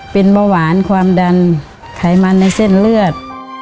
เป็นเบาหวานความดันไขมันในเส้นเลือด